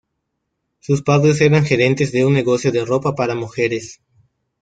Sus padres eran gerentes de un negocio de ropa para mujeres.